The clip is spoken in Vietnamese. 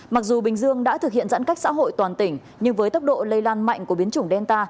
mặc dù bình dương đã thực hiện giãn cách xã hội toàn tỉnh nhưng với tốc độ lây lan mạnh của biến chủng đen ta